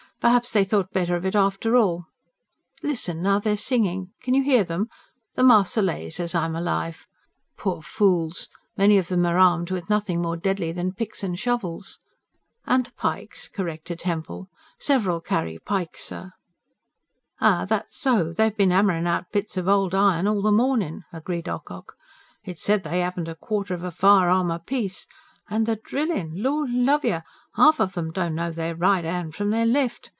Perhaps they thought better of it after all. Listen! now they're singing can you hear them? The MARSEILLAISE as I'm alive. Poor fools! Many of them are armed with nothing more deadly than picks and shovels." "And pikes," corrected Hempel. "Several carry pikes, sir." "Ay, that's so, they've bin 'ammerin' out bits of old iron all the mornin'," agreed Ocock. "It's said they 'aven't a quarter of a firearm apiece. And the drillin'! Lord love yer! 'Alf of 'em don't know their right 'and from their left.